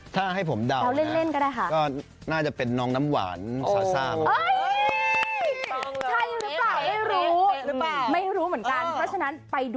ถ้าให้ผมเดานะ